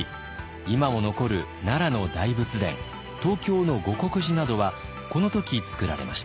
今も残る奈良の大仏殿東京の護国寺などはこの時造られました。